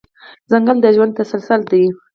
ځنګل د ژوند تسلسل دی.